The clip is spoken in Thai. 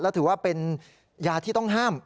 และถือว่าเป็นยาที่ต้องห้าม